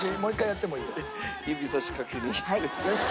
よし！